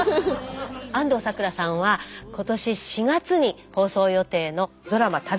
安藤サクラさんは今年４月に放送予定のドラマ